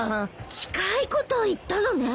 近いことを言ったのね。